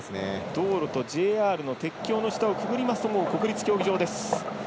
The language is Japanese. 道路とＪＲの鉄橋の下をくぐると国立競技場。